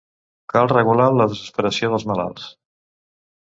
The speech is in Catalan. Cal regular la desesperació dels malalts.